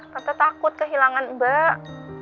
tante takut kehilangan mbak